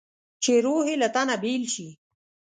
چې روح یې له تنه بېل شي.